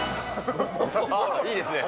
いいですね。